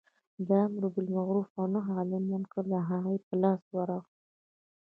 د امر بالمعروف او نهې عن المنکر د هغو په لاس ورغلل.